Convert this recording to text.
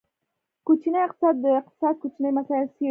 کوچنی اقتصاد، د اقتصاد کوچني مسایل څیړي.